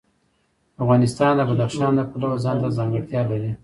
افغانستان د بدخشان د پلوه ځانته ځانګړتیا لري.